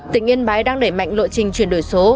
tỉnh yên bái đang đẩy mạnh lộ trình chuyển đổi số